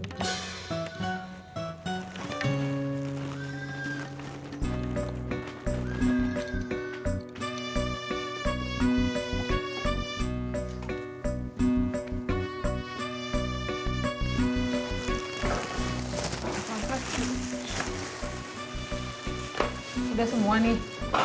udah semua nih